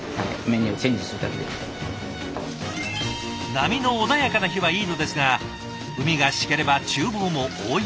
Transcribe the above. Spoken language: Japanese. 波の穏やかな日はいいのですが海がシケればちゅう房も大揺れ。